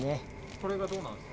これがどうなるんですか？